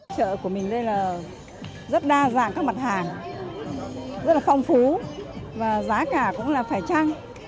chợ của mình đây là rất đa dạng các mặt hàng rất là phong phú và giá cả cũng là phải trăng